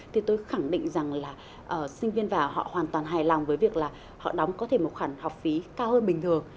thì tôi khẳng định rằng là sinh viên vào họ hoàn toàn hài lòng với việc là họ đóng có thể một khoản học phí cao hơn bình thường